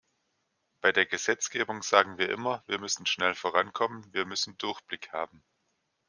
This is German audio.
Bei der Gesetzgebung sagen wir immer, wir müssen schnell vorankommen, wir müssen Durchblick haben.